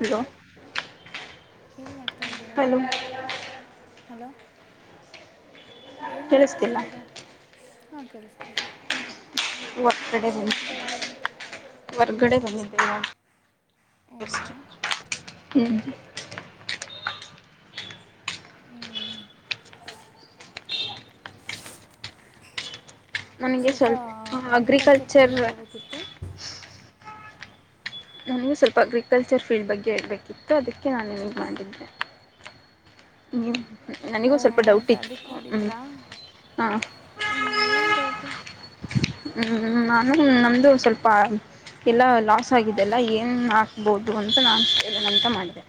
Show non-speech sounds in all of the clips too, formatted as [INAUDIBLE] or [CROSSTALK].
Hello ಏನು ಮಾಡ್ತಾಯಿದ್ದೀರಾ hello hello ಏನು ಕೇಳಿಸ್ತಿಲ್ಲ ಮಾಡ್ತಾಯ್ದೀರಾ ಹಾ ಕೇಳಿಸ್ತೀ ಕಡೆ [UNINTELLIGIBLE] ಒಂದು ಕಡೆ ಬರುತ್ತಲ್ಲ ಬೆಸ್ಟ್ ಹೌದಾ [UNINTELLIGIBLE] ಹುಂ ಸ್ವಲ್ಪ ಅಗ್ರಿಕಲ್ಚರ್ ಬಗ್ಗೆ ಹೇಳಬೇಕಿತ್ತು. ನನಗೆ ಸ್ವಲ್ಪ ಅಗ್ರಿಕಲ್ಚರ್ ಫೀಲ್ಡ್ ಬಗ್ಗೆ ಹೇಳಬೇಕಿತ್ತು ಅದಕ್ಕೆ ನಾನು ಇದು ಮಾಡಿದ್ದು. [UNINTELLIGIBLE] ಓ ನನಗೂ ಸ್ವಲ್ಪ ಡೌಟ್ ಹೌದಾ ಇತ್ತು ಅದಕ್ಕೆ ಹ್ಞೂ ಮಾಡಿದ್ರಾ ಹಾಂ ಹ ಏನು ಡೌಟು ಹು ನಾನು ನಮ್ದು ಸ್ವಲ್ಪ ಎಲ್ಲಾ ಲಾಸ್ ಆಗಿದ್ದ ಇದೆಲ್ಲಾ ಏನ್ ಹಾಕ್ಬೋದು ಅಂತ ನಾನು ಹೇಳೇನ ಅಂತ ಮಾಡಿದೆ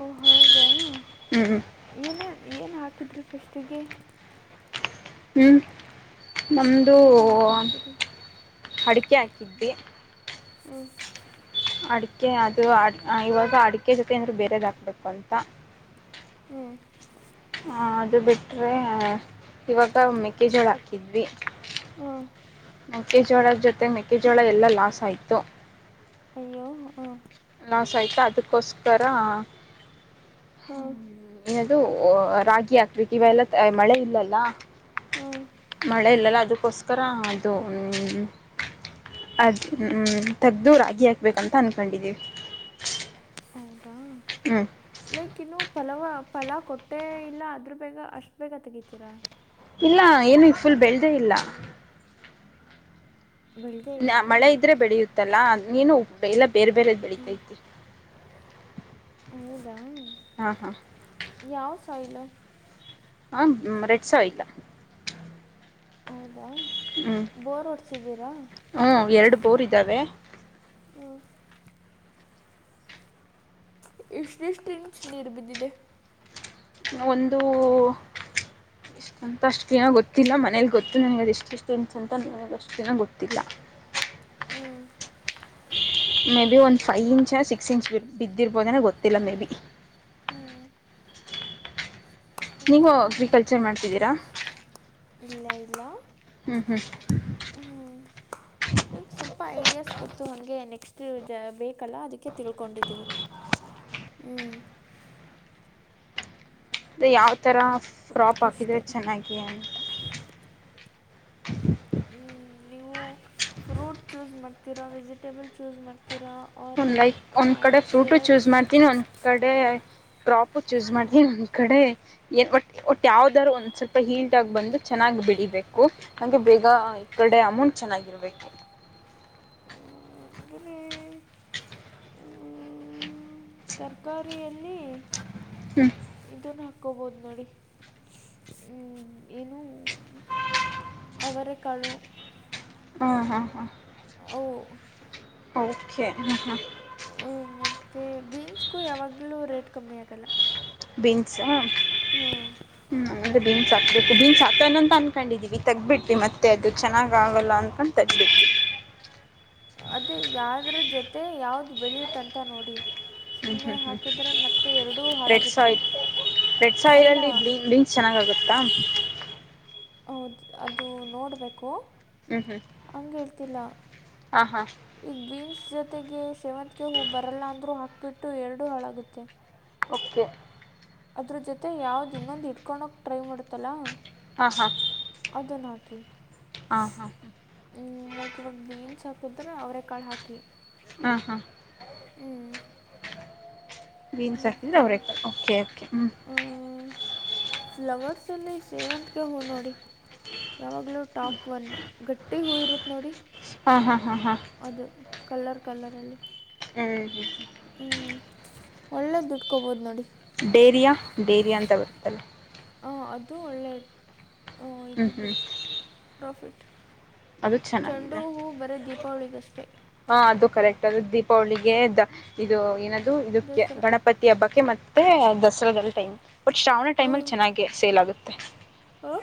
ಓ ಹಂಗಾ ಹುಂ ಹುಂ ಏನೇ ಏನು ಹಾಕಿದ್ರಿ ಫಸ್ಟಿಗೆ ಹ್ಞೂಂ ನಮ್ಡೂ ಏನು ಹಾಕಿದ್ರಿ ಅಡಿಕೆ ಹಾಕಿದ್ವಿ ಹುಂ ಅಡಿಕೆ ಅದು ಅ ಇವಾಗ ಅಡಿಕೆ ಜೊತೆ ಅಂದ್ರೆ ಬೇರೆದ್ ಹಾಕ್ಬೇಕು ಅಂತಾ ಹುಂ ಹಾ ಅದು ಬಿಟ್ರೇ ಅ ಇವಾಗ ಮೆಕ್ಕೆಜೋಳ ಹಾಕಿದ್ವಿ ಹುಂ ಮೆಕ್ಕೆಜೋಳದ್ ಜೊತೆ ಮೆಕ್ಕೆಜೋಳ ಎಲ್ಲಾ ಲಾಸ್ ಆಯ್ತು ಅಯ್ಯೋ ಅ ಲಾಸ್ ಆಯಿತಾ ಅದಕ್ಕೋಸ್ಕರಾ ಹ್ ಏನದು ಒ ರಾಗಿ ಹಾಕ್ಬೇಕ್ ಇವೆಲ್ಲ ಮಳೆ ಇಲ್ಲಲ್ಲಾ ಹುಂ ಮಳೆ ಇಲ್ಲಲ್ಲ ಅದಕ್ಕೋಸ್ಕರ ಅದು ಹ್ಮ ಅದು ಹ್ಮ್ ತಗ್ದು ರಾಗಿ ಹಾಕ್ಬೇಕಂತ ಅನ್ಕೊಂಡಿದೀವಿ. ಹೌದಾ. ಹ್ಮ್. ಲೈಕ್ ಇನ್ನು ಫಲವ ಫಲಾ ಕೊಟ್ಟೇ ಇಲ್ಲ ಅದ್ರ ಬೇಗ ಅಷ್ಟು ಬೇಗ ತೆಗಿತೀರಾ. ಇಲ್ಲ ಏನು ಈಗ್ ಫುಲ್ ಬೆಳ್ದೇ ಇಲ್ಲ. ಬೆಳೆದೇ ಇಲ್ಲ ಇಲ್ವಾ ಮಳೆ ಇದ್ರೆ ಬೆಳೆಯುತ್ತಲ್ಲಾ ನೀನು ಇಲ್ಲ ಬೇರೆ ಬೇರೆದ್ ಬೆಳಿತೈತಿ. ಹೌದಾ. ಹಾಂ ಹಾ. ಯಾವ್ ಸಾಯಿಲ್. ಹಾಂ ರೆಡ್ ಸಾಯಿಲ್. ಹೌದಾ ಬೋರ್ ಹೊಡ್ಸಿದ್ದೀರಾ. ಹ್ಮ ಎರಡು ಬೋರ್ ಇದಾವೆ. ಹ್ಮ. ಇಷ್ಟಿಷ್ಟ್ ಇಂಚ್ ನೀರ್ಬಿದ್ದಿದೆ. ಒಂದು ಎಷ್ಟು ಅಂತ ಅಷ್ಟ್ ಕ್ಲೀನ್ ಆಗಿ ಗೊತ್ತಿಲ್ಲ ಮನೇಲಿ ಗೊತ್ ಅದೇ ನನಗೆ ಅದು ಎಷ್ಟಿಷ್ಟ್ ಇಂಚ್ ಅಂತ ನನಗ ಅಷ್ಟೇನು ಗೊತ್ತಿಲ್ಲ. ಹ್ಮ್. ಮೇಬಿ ಒಂದ್ ಫೈವ್ ಇಂಚ್ ಸಿಕ್ಸ್ ಇಂಚ್ ಬಿದ್ದಿರ್ಬೋದೆನೋ ಗೊತ್ತಿಲ್ಲ ಮೇಬಿ. ಹ್ಞೂ ನೀವು ಹೌದಾ ಅಗ್ರಿಕಲ್ಚರ್ ಮಾಡ್ತಿದ್ದೀರಾ. ಹೇ ಇಲ್ಲಾ. ಹ್ಮ್ ಹ್ಮ್. ಲೈಕ್ ಸ್ವಲ್ಪ ಐಡಿಯಾಸ್ ಗೊತ್ತು ಹಂಗೇ ನೆಕ್ಸ್ಟ್ ಬೇಕಲ್ಲ ಅದಕ್ಕೆ ತಿಳ್ಕೊಂಡಿದ್ದೀವಿ. ಹ್ಞೂ ಅದೇ ಯಾವ್ ಥರ ಕ್ರಾಪ್ ಹಾಕಿದರೆ ಅಷ್ಟೇ ಚೆನ್ನಾಗಿ ಅಂತ. ಮ್, ನೀವು ಫ್ರೂಟ್ ಚೂಸ್ ಮಾಡ್ತೀರಾ ವೆಜಿಟೇಬಲ್ ಚೂಸ್ ಮಾಡ್ತೀರಾ. ಒ ಆರ್ ಲೈಕ್ ಒಂದ್ ಕಡೆ ಫ್ರೂಟು ಚೂಸ್ ಸಿರಕ್ಸ್ ಮಾಡ್ತೀನಿ ಒಂದ್ ಕಡೇ ಕ್ರಾಪ್ ಚೂಸ್ ಮಾಡಿತೀನಿ ಇನ್ನೊಂದ್ ಕಡೆ ಏನ್ ಒಟ್ ಒಟ್ ಯಾವ್ದಾರು ಒಂದ್ ಸ್ವಲ್ಪ ಹೀಲ್ಡ್ ಆಗಿ ಬಂದು ಚೆನ್ನಾಗ್ ಬೆಳಿಬೇಕು. ಹಂಗೆ ಬೇಗ ಈ ಕಡೆ ಅಮೌಂಟ್ ಚೆನ್ನಾಗಿರ್ಬೇಕು. ಹ್ಮ್ ಹ್ಮ್ ಅಂದ್ರೇ. ತರಕಾರಿಯಲ್ಲಿ ಹ್ಮ್. ಇದನ್ನು ಹಾಕೊಬೋದು ನೋಡಿ ಹ್ಮ್ ಏನು ಹ್ಮ್. ಅವರೆಕಾಳು. ಹಾ ಹಾ ಹಾ. ಹೋ. ಓಕೆ ಹಾ ಹಾಂ. ಮತ್ತೆ ಬೀನ್ಸ್ಗೂ ಯಾವಾಗಲೂ ರೇಟ್ ಕಮ್ಮಿ ಆಗಲ್ಲ. ಬೀನ್ಸ್ ಹಾ. ಹ್ಮ್. ಹ್ಞೂ ಅದೇ ಬೀನ್ಸ್ ಹಾಕ್ಬೇಕು ಬೀನ್ಸ್ ಹಾಕನ ಅಂತ ಅಂದ್ಕೊಂಡಿದ್ದೀವಿ ತಗಿಬಿಟ್ವಿ ಮತ್ತೆ ಅದು ಚೆನ್ನಾಗಲ್ಲ ಅನ್ಕೊಂಡು. ತಗದು ಬಿಟ್ವಿ.. ಅದೇ ಯದ್ರ ಜೊತೆ ಯಾವ್ದ ಬೆಳೆಯುತ್ ಹ ನೋಡಿಮ್ಮ್, ಹ್ಮ್ ಹ್ಮ್ ಹ್ಮ್ ರೆಡ್ ಹಾಳಾಗುತ್ತೆ ಸಾಯಿಲ್ ರೆಡ್ ಸಾಯಿಲ್ ಅಲ್ಲ ಅಲ್ಲಿ ಬ್ಲೈಂಕ್. ಚೆನ್ನಾಗಾಗುತ್ತಾ. ಹೌದು ಅದು ನೋಡಬೇಕು ಹ್ಞೂ ಹ್ಞೂ ಹಗೆ ಹೇಳ್ತಿಲ್ಲ ಹಾಂ ಹಾಂ ಈಗ ಬೀನ್ಸ್ ಜೊತೆಗೆ ಶೇವಂತಗೆ ಹೂವು ಬರಲ್ಲ ಅಂದ್ರೂ ಹಾಕಬಿಟ್ಟು ಎರಡು ಹಾಳಾಗುತ್ತೆ ಓಕೆ ಅದ್ರ ಜೊತೆ ಯಾವ್ದ್ ಇನ್ನೊಂದು ಇಡ್ಕೊಂಡೋಗ ಟ್ರೈ ಮಾಡುತ್ತಲ್ಲಾ ಹಾಂ ಹಾಂ ಅದ ನಕಿ ಹಾಂ ಹಾಂ ಲೈಕ್ ಇವಾಗ ಬೀನ್ಸ್ ಹಾಕಿದ್ರೆ ಅವರೇ ಕಾಳು ಹಾಕಿ ಹಾ ಹಾ ಹ್ಮ್ ಬೀನ್ಸ್ ಹಾಕೀ ಅವ್ರ ಓಕೆ ಕೆ ಹ್ಮ್ ಹ್ಮ್ ಫ್ಲವರ್ ಸೋಲಿ ಸೇವೆಂತ್ಗೆ ಹೂ ನೋಡಿ ಯಾವಾಗಲೂ ಟಾಪ್ ಒನ್ ಗಟ್ಟಿ ಹೂ ಇರುತ್ತೆ ನೋಡಿ ಹಾಂ ಹಾಂ ಹಾ ಹಾಂ ಅದು ಕಲರ್ ಕಲ್ಲರಲ್ಲಿ ಹ್ಮ್ ಹ್ಞೂ ಒಳ್ಳೆ ದುಡ್ಕೊಬೋದು ನೋಡಿ ಡೇರಿಯ ಡೇರಿಯ ಅಂತ ಗೊತ್ತಲ್ಲ ಹಾಂ ಅದು ಒಳ್ಳೆಯ ಹ್ಞೂ ಇದಿದೆ ಹ್ಞೂ ಪ್ರಾಫಿಟ್ ಅದು ಚೆಂಡೂ ಹೂ ಬರೇ ದೀಪಾವಳಿಗಷ್ಟೆ ಹಾ ಅದು ಕರೆಕ್ಟ್ ಅದು ದೀಪಾವಳಿಗೆ ಇದು ಏನದು ಇದಕ್ಕೆ ದಸರಾ ಗಣಪ ಪತ್ತಿ ಹಬ್ಬಕ್ಕೆ ಮತ್ತೆ ದಸರಾದಲ್ಲಿ ಟೈಮ್ ಬಟ್ ಶ್ರಾವಣ ಟೈಮ ಅಲ್ಲಿ ಚೆನ್ನಾಗಿ ಸೇಲ್ ಆಗುತ್ತೆ ಹಾ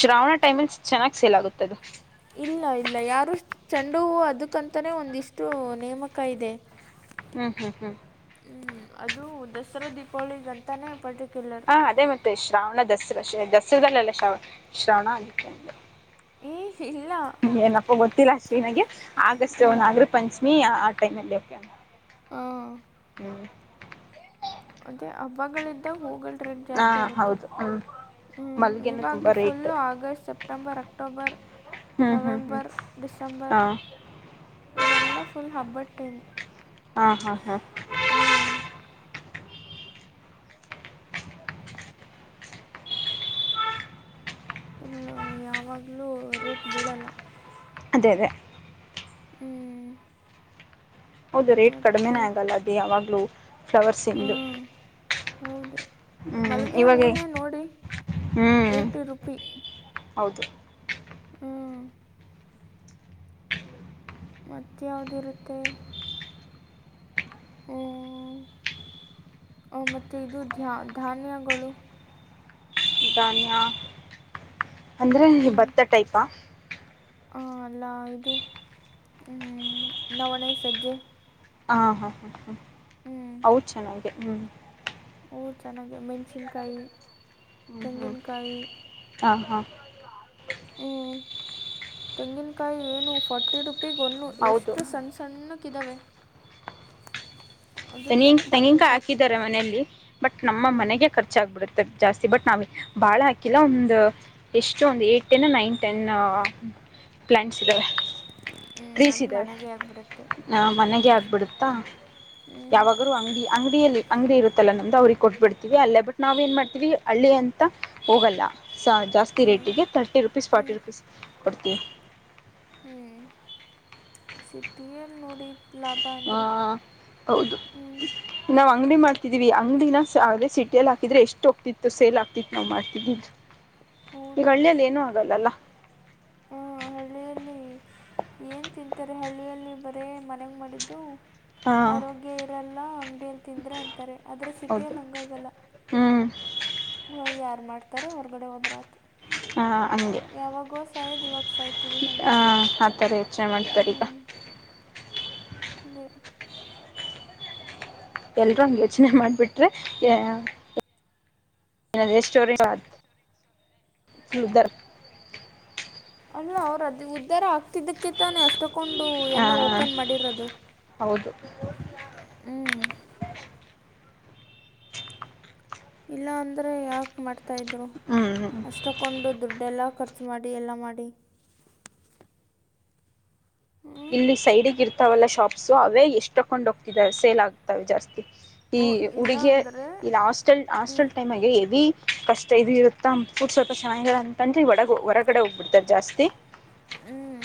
ಶ್ರಾವಣ ಟೈಮಲ್ ಚೆನ್ನಾಗಿ ಸೇಲ್ ಆಗುತ್ತದು ಇಲ್ಲ ಇಲ್ಲ ಯಾರು ಚೆಂಡು ಹೂ ಅದಕ್ಕಂತಾನೇ ಒಂದಿಷ್ಟು ನೇಮಕ ಇದೆ ಹ್ಮ್ ಹ್ಮ್ ಹ್ಮ್ ಹ್ಮ್ ಅದು ದಸರಾ ದೀಪಾವಳಿಗಂತಾನೇ ಪರ್ಟಿಕ್ಯುಲರ್ ಹ ಅದೇ ಮತ್ತೆ ಶ್ರಾವಣ ದಸರಾ ದಸರಾದಲ್ಲೆಲ್ಲ ಶ್ರಾವಣ ಶ್ರವಣ ಅಕ್ಕೆ ಏ ಹೇ ಇಲ್ಲ ಏನಪ್ಪ ಗೊತ್ತಿಲ್ಲಾ ಅಷ್ಟೇನಗೆ ಆಗಸ್ಟ್ ಹ್ಞೂ ನಾಗರ ಪಂಚಮಿ ಆ ಟೈಮ್ಲ್ಲಿ ಓ ಹ ಮತ್ತೆ ಹಬ್ಬಗಳಿಂದಗ ಹೋಗಲ್ರೀ ಹಾ ಜಾಸ್ತಿ ಆಗುತ್ತೆ ಹೌದು ಹ್ಮ್ ಹ್ಮ ಮಲ್ಲಿಗೆನು ತುಂಬಾ ಇವಾಗ full rate August September October ಹ್ಮ್ ಹ್ಮ್ ಹ್ಮ್ ನವೆಂಬರ್ ಡಿಸೆಂಬರ್ ಹಾ ಇವೆಲ್ಲ ಫುಲ್ ಹಬ್ಬದ್ ಟೈಮ್ ಹಾ ಹಾ ಹಾ ಹ್ಮ ಯಾವಾಗಲೂ ರೇಟ್ ಬಿಡಲ್ಲ ಅದೇ ಅದೇ ಹ್ಮ್ ಹೌದು ರೇಟ್ ಮತ್ತು ಕಡಿಮೆನೇ ಆಗಲ್ಲ ಅದು ಯಾವಾಗಲೂ ಫ್ಲವರ್ಸಿಂದು ಹಾಂ ಹೌದು ಹ್ಮ್ ಮಲ್ಲಿಗೆ ಇವಾಗ ಹೂವನ್ನೇ ನೋಡಿ ಹ್ಮ್ ಏಯ್ಟಿ ರುಪಿ ಹೌದು ಹ್ಮ್ ಮತ್ತ ಯಾವ್ದಿರುತ್ತೆ ಹ್ಮ ಮತ್ತು ಇದು ಧಾನ್ಯಗಳು ಧಾನ್ಯ ಅಂದ್ರೆ ಭತ್ತ ಟೈಪ ಹಾ ಅಲ್ಲ ಇದು ಹ್ಮ್ ನವಣೆ ಸಜ್ಜೆ ಹಾಂ ಹಾಂ ಹಾಂ ಹಾಂ ಹ್ಞೂ ಅವು ಚೆನ್ನಾಗಿದೆ ಅವು ಚೆನ್ನಾಗಿ ಮೆಣ್ಸಿನ್ಕಾಯಿ ಹ್ಮ ಹ್ಮ್ ಹಾ ಹಾ ಹ್ಞೂ ತೆಂಗಿನಕಾಯಿ ಏನು ಫಾರ್ಟಿ ರುಪೀಗ ಒನ್ನು ಹೌದು ಎಷ್ಟು ಸಣ್ಣ ಸಣ್ಣಕ್ಕ್ದಾವೆ ಅದಕ್ಕನೆ ತೆಂಗಿನ ಫಾರ್ಟಿ ತೆಂಗಿನಕಾಯಿ ಫಾರ್ಟಿ [UNINTELLIGIBLE] ಮನೆಯಲ್ಲಿ ಬಟ್ ನಮ್ಮ ಹ್ಞೂ ಮನೆಗೆ ಖರ್ಚಾಗಗ್ಬಿಡುತ್ತೆ ಜಾಸ್ತಿ ಬಟ್ ನಾವ್ ಬಾಳ ಹಾಕಿಲ್ಲ ಒಂದು ಎಷ್ಟು ಒಂದು eight ten nine ten plants ಇದ್ದಾವೆ ಹ್ಮ್ ಅದು ಮನೆಗೆ ಆಗ್ಬಿಡತ್ತೆ ಹಾ ಮನೆಗೆ ಆಗ್ಬಿಡುತ್ತಾ ಹ್ಞೂ ಯಾವಾಗಲೂ ಅಂಗಡಿ ಅಂಗಡಿಯಲ್ಲಿ ಅಂಗಡಿ ಇರುತ್ತಲ್ಲ ನಂದು ಅವ್ರಿಗೆ ಕೊಟ್ಟಟ್ಬಿಡ್ತೀವಿ ಅಲ್ಲೇ ಬಟ್ ನಾವ ಏನು ಮಾಡ್ತೀವಿ ಹಳ್ಳಿ ಅಂತ ಹೋಗಲ್ಲ ಸೋ ಜಾಸ್ತಿ ಹ್ಞೂ ರೇಟಿಗೆ ತರ್ಟಿ ರುಪೀಸ್ ಹ್ಞೂ ಫಾರ್ಟಿ ರುಪೀಸ್ ಕೊಡ್ತೀವಿ ಹ್ಮ್ ಸಿಟಿಯಲ್ಲಿ ನೋಡಿ ಲಾಭ ಹಾ ಅಂದರೆ ಹೌದು ಹ್ಞೂ ನಾವು ಅಂಗಡಿ ಮಾಡ್ತಿದೀವಿ ಅಂಗಡಿನ ಅದೇ ಸಿಟಿಯಲ್ಲಿ ಹಾಕದ್ರೆ ಎಷ್ಟು ಹೋಗ್ತಿತ್ತು ಸೇಲ್ ಆಗ್ತಿತ್ತು ನಾವು ಮಾಡ್ತಿದ್ವಿ ಈ ಹೌದು ಹಳ್ಳಿಯಲ್ಲಿ ಏನು ಆಗಲ್ಲಲ್ಲ ಹ್ಮ ಹಳ್ಳಿಯಲ್ಲಿ ಏನ್ ತಿಂತಾರೆ ಹಳ್ಳಿಯಲ್ಲಿ ಬರೇ ಮನೆಗ ಮಾಡಿದ್ದು ಹಾ ಆರೋಗ್ಯ ಇರಲ್ಲ ಅಂಗಡಿಯಲ್ಲಿ ತಿಂದ್ರೆ ಅಂತಾರೆ ಆದ್ರೆ ಹೌದು ಸಿಟಿಯಲ್ಲಿ ಹಂಗಾಗಲ್ಲ ಹ್ಮ್ ಇವಾಗ ಯಾರ ಮಾಡ್ತಾರೆ ಹೊರ್ಗಡೆ ಹೋದ್ರ ಆಯಿತು ಹ ಹಂಗೆ ಯಾವಾಗೋ ಸಾಯದ್ ಇವಾಗ ಸಾಯ್ತೀವಿ ಹಂಗೆ ಆ ಆ ಥರ ಯೋಚನೆ ಮಾಡ್ತಾರೆ ಈಗ ಹ್ಮ್ [UNINTELLIGIBLE] ಎಲ್ರೂ ಹಂಗ ಯೋಚನೆ ಮಾಡ್ಬಿಟ್ರೆ [UNINTELLIGIBLE] ಸ್ಟೋರಿ ಅಲ್ಲ ಅವರು ಉದ್ದಾರ ಆಗ್ತಿದ್ದಕ್ಕೆ ತಾನೆ ತುಗೊಂಡು ಹಾ ಎಲ್ಲ ಓಪನ್ ಮಾಡಿರೋದು ಹೌದು ಹ್ಮ ಇಲ್ಲ ಅಂದ್ರೆ ಯಾಕೆ ಮಾಡ್ತಾ ಇದ್ರು ಹ್ಮ್ ಅಷ್ಟೊ ತುಗೊಂಡು ದುಡ್ಡೆ ಎಲ್ಲ ಖರ್ಚು ಮಾಡಿ ಎಲ್ಲ ಮಾಡಿ ಇಲ್ಲಿ ಹ್ಞೂ ಸೈಡಿಗಿರ್ತಾವಲ್ಲ ಶಾಪ್ಸು ಅವೇ ಎಷ್ಟು ತಕೊಂಡು ಹೋಗ್ತಿದಾವೆ ಸೇಲ್ ಆಗ್ತವೆ ಜಾಸ್ತಿ ಇಲ್ಲ ಅಂದರೆ ಇಲ್ಲಿ ಹ್ಞೂ ಹಾಸ್ಟೆಲ್ ಟೈಮ್ಗೆ ಎವಿ ಕಷ್ಟ ಇದ ಇರುತ್ತ ಫುಡ್ ಸ್ವಲ್ಪ ಚೆನ್ನಾಗಿಲ್ಲ ಅಂತಂದ್ರ ಹೊರಗಡೆ ಹೋಗ್ಬಿಡ್ತಾರೆ ಜಾಸ್ತಿ ಹ್ಮ್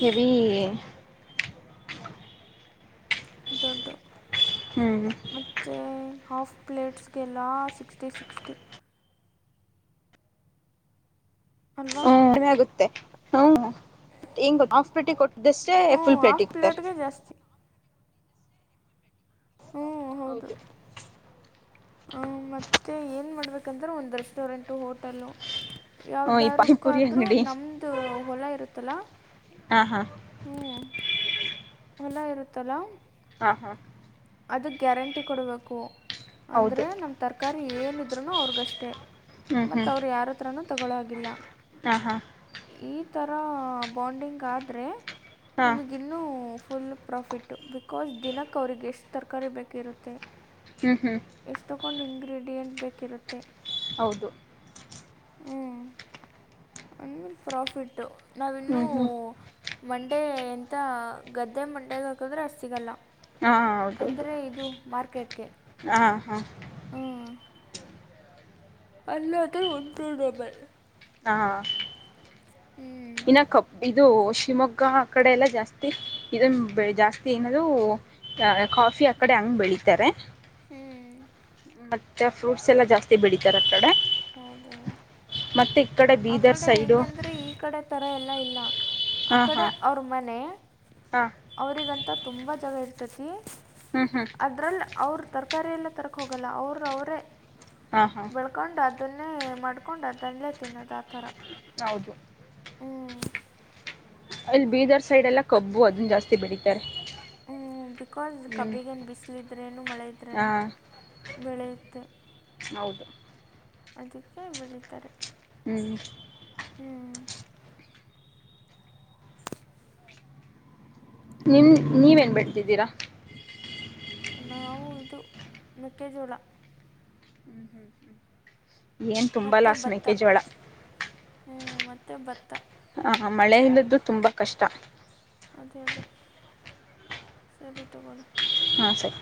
ಹೆವಿ ದುಡ್ಡು ಹ್ಮ್ ಮತ್ತೆ ಹಾಫ್ ಪ್ಲೇಟ್ಸ್ಗೆ ಎಲ್ಲ ಸಿಕ್ಸ್ಟಿ ಸಿಕ್ಸ್ಟಿ ಅಲ್ವಾ ಹ್ಮ ಆಗುತ್ತೆ ಹೂ ಹಿಂಗ ಹಾಫ್ ಪ್ಲೇಟ್ಗೆ ಕೊಟ್ಟಿದಷ್ಟೇ ಫುಲ್ ಪ್ಲೇಟ್ ಕೊಡ್ತಾರೆ [UNINTELLIGIBLE] ಅಸ್ತಿ ಹ್ಞೂ ಹೌದು ಹ ಮತ್ತೆ ಏನ್ ಮಾಡ್ಬೇಕಂದ್ರೆ ಒಂದು ರೆಸ್ಟೋರೆಂಟು ಹೋಟೆಲ್ಲ ಹ್ಮ ಈ ಪಾನಿಪುರಿ ಯಾವ್ದಾರಕ್ಕೂದರೂ ಅಂಗಡಿ ನಮ್ಮದು ಹೊಲ ಇರುತ್ತಲ್ಲ ಹ ಹಾ ಹು ಹೊಲ ಇರುತ್ತಲ್ಲ. ಹಾ ಹಾ ಅದಕ್ಕೆ ಗ್ಯಾರಂಟಿ ಕೊಡಬೇಕು ಹೌದು ಅಂದರೆ ನಮ್ಮ ತರಕಾರಿ ಏನಿದ್ರುನು ಅವ್ರಿಗಷ್ಟೆ. ಹ್ಮ್ ಮತ್ತ ಅವ್ರು ಯಾರತ್ರನೂ ತಗೊಳ್ಳೋಗಿಲ್ಲ. ಆ ಹ. ಈ ತರ ಬಾಂಡಿಂಗ್ ಆದ್ರೆ ಹಾ ನಿಮಗೆ ಇನ್ನೂ ಫುಲ್ ಪ್ರಾಫಿಟ್ ಬಿಕಾಸ್ ದಿನಕ್ಕೆ ಅವ್ರರಿಗೆ ಎಷ್ಟು ತರಕಾರಿ ಬೇಕಿರುತ್ತೆ. ಹ್ಮ್ ಹ್ಮ್. ಎಷ್ಟಕೊಂಡು ಇಂಗ್ರೀಡಿಯೆಂಟ್ ಬೇಕಿರುತ್ತೆ. ಹೌದು. ಹ್ಞೂ ಆನ್ಮೇಲೆ ಪ್ರಾಫಿಟ್ಟು. ನಾವಿನ್ನೂ ಹ್ಮ್ ಹ್ಮ್ ಮಂಡೆ ಎಂತ ಗದ್ದೆ ಮಂಡ್ಯೆಗೆ ಹಾಕಿದ್ರೆ ಸಿಗೋಲ್ಲ. ಹಾ ಹೌದೌದು ಮಾರ್ಕೆಟ್ಗೆ ಹಾ ಹಾ. ಅಲ್ಲದ್ರೆ ಒನ್ ಟು ಡಬಲ್ ಹಾ ಹ್ಞೂ ಇನ ಕಪ್ ಇದು ಶಿವಮೊಗ್ಗ ಕಡೆ ಎಲ್ಲ ಜಾಸ್ತಿ ಇದನ್ ಜಾಸ್ತಿ ಏನದೂ ಕಾಫಿ ಆ ಕಡೆ ಹಂಗ್ ಬೆಳಿತಾರೆ. ಹ್ಮ್. ಮತ್ತೆ ಫ್ರೂಟ್ಸ್ ಎಲ್ಲ ಜಾಸ್ತಿ ಬೆಳಿತಾರೆ ಆ ಕಡೆ. ಹೌದೌದು ಮತ್ತೆ ಈ ಆ ಬೀದರ್ ಕಡೆ ಸೈಡು ಹೆಂಗಂದ್ರೆ ಈ ಕಡೆ. ಇಥರ ಎಲ್ಲ ಇಲ್ಲ ಆ ಹಾ ಕಡೆ ಹಾ ಅವ್ರ್ ಮನೆ. ಹಾ ಅವರಿಗಂತ ತುಂಬ ಜಾಗ ಇರ್ತತಿ. ಹ್ಮ್ ಹ್ಮ್ ಅದರಲ್ಲಿ ಅವರು ತರಕಾರಿಯೆಲ್ಲ ತರಕ ಹೋಗಲ್ಲ ಅವರ್ ಅವರೇ. ಹಾ ಹಾ ಕೊಂಡ್ ಅದನ್ನೇ ಮಾಡ್ಕೊಂಡ್ ಅದನ್ಲೇ ತಿನ್ನೋದು ಆತರ. ಹೌದು. ಅಲ್ಲಿ ಬೀದರ್ ಸೈಡ್ ಎಲ್ಲಾ ಕಬ್ಬು ಅದನ್ನ ಜಾಸ್ತಿ ಬೆಳಿತಾರೆ. ಹ್ಮ್ ಬಿಕಾಸ್ ಹ್ಮ್ ಕಬ್ಬಿಗೇನ್ ಬಿಸ್ಲಿದ್ರೇನು ಮಳೆ ಹಾ ಇದ್ರೇನು. ಬೆಳೆಯುತ್ತೆ. ಹೌದು ಅದಕ್ಕೆ ಬೆಳಿತಾರೆ. ಹ್ಮ್. ಹ್ಮ್. ನಿನ್ ನೀವೇನ್ ಬೆಳ್ದಿದ್ದೀರಾ. ನಾವು ಇದು ಮೆಕ್ಕೆಜೋಳ. [INAUDIBLE] ಏನ್ ಹ್ಮ್ ತುಂಬಾ ಮತ್ತೆ ಲಾಸ್ ಭತ್ತ ಮೆಕ್ಕೆಜೋಳ ಹ್ಮ ಮತ್ತೆ ಭತ್ತ. ಹ ಮಳೆೆಯಿಂದದ್ದು ತುಂಬಾ ಕಷ್ಟ. ಅದೇ ಅದೇ ಸರಿ ತಗೋಳಿ. ಹಾ ಸರಿ.